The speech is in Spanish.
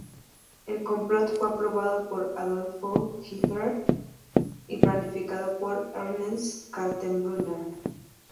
El complot fue aprobado por Adolf Hitler y planificado por Ernst Kaltenbrunner.